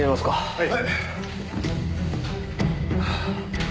はい。